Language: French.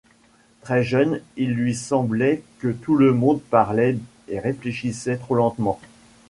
Très jeune, il lui semblait que tout le monde parlait et réfléchissait trop lentement.